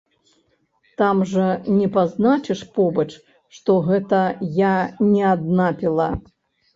Там жа не пазначыш побач, што гэта я не адна піла.